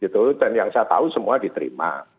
dan yang saya tahu semua diterima